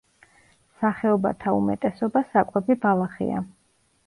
სახეობათა უმეტესობა საკვები ბალახია.